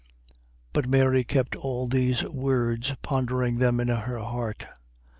2:19. But Mary kept all these words, pondering them in her heart. 2:20.